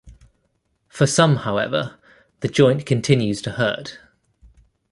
For some, however, the joint continues to hurt.